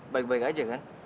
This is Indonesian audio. baik baik aja kan